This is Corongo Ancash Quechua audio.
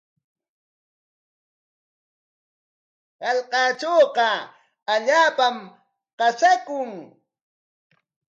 Hallqatrawqa allaapam qasaakun.